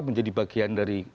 menjadi bagian dari